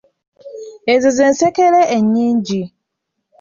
Ezo z'ensekere enyingi.